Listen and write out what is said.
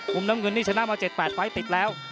มุมน้ำเงินนี่ชนะมา๗๘ไฟล์ติดแล้ว